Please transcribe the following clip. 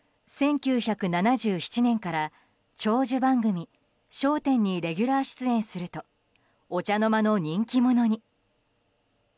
１９７７年から長寿番組「笑点」にレギュラー出演するとお茶の間の人気者に。